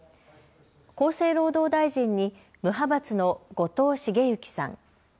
厚生労働大臣に無派閥の後藤茂之さん。